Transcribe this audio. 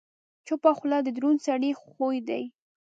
چپه خوله، د دروند سړي خوی دی.